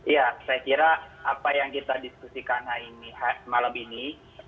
ya saya kira apa yang kita diskusikan malam ini